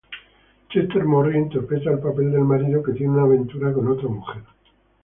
Chester Morris interpreta el papel del marido que tiene una aventura con otra mujer.